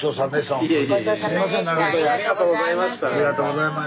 ありがとうございます。